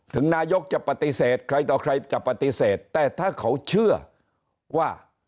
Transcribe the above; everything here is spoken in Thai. นายกจะปฏิเสธใครต่อใครจะปฏิเสธแต่ถ้าเขาเชื่อว่า